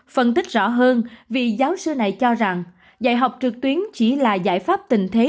phân tích rõ hơn vì giáo sư này cho rằng dạy học trực tuyến chỉ là giải pháp tình thế